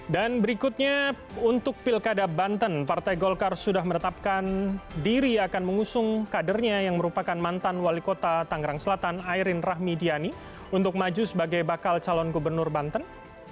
dan berikutnya untuk pilkada banten partai golkar sudah menetapkan diri akan mengusung kadernya yang merupakan mantan wali kota tangerang selatan ayrin rahmidiani untuk maju sebagai bakal calon gubernur banten